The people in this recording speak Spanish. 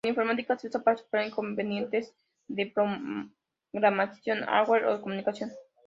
En informática se usa para superar inconvenientes de programación, hardware o comunicación.